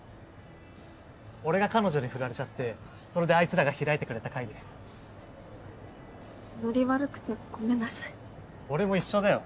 俺が彼女にフラれちゃってそれであいつらが開いてくれた会でノリ悪くてごめんなさい俺も一緒だよ